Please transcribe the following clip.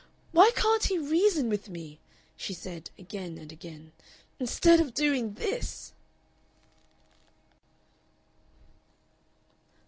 "Why can't he reason with me," she said, again and again, "instead of doing this?"